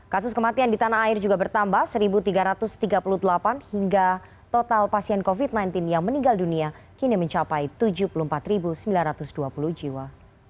kasus kematian di tanah air juga bertambah satu tiga ratus tiga puluh delapan hingga total pasien covid sembilan belas yang meninggal dunia kini mencapai tujuh puluh empat sembilan ratus dua puluh jiwa